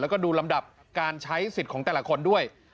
แล้วก็ดูลำดับการใช้สิทธิ์ของแต่ละคนด้วย